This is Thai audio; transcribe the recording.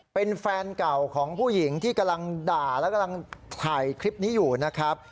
เป็นแฟนเก่าของผู้หญิงที่กำลังด่าและกำลังถ่ายคลิปนี้อยู่นะครับ